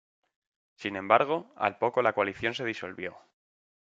Sin embargo, al poco la coalición se disolvió.